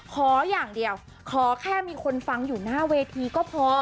ขออย่างเดียวขอแค่มีคนฟังอยู่หน้าเวทีก็พอ